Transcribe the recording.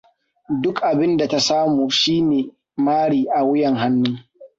Duk abin da ta samu shine mari a wuyan hannu.